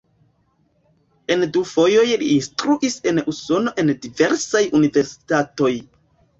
En du fojoj li instruis en Usono en diversaj universitatoj.